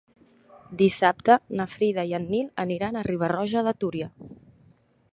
Dissabte na Frida i en Nil aniran a Riba-roja de Túria.